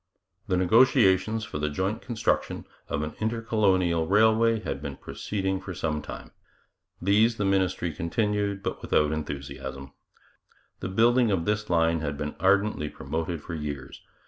The negotiations for the joint construction of an intercolonial railway had been proceeding for some time. These the ministry continued, but without enthusiasm. The building of this line had been ardently promoted for years.